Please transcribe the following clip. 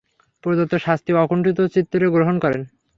প্রদত্ত শাস্তি অকুণ্ঠচিত্তে গ্রহণ করেন।